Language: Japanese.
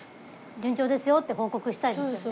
順調ですよって報告したいですよね